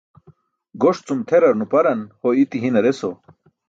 Goṣ cum tʰerar nuparan ho iti hinar eso.